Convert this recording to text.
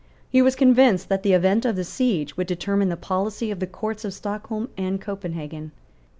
He was convinced that the event of the siege would determine the policy of the Courts of Stockholm and Copenhagen.